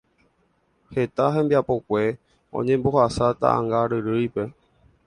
Heta hembiapokue oñembohasa taʼãngaryrýipe.